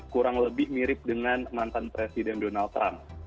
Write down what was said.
kurang lebih mirip dengan mantan presiden donald trump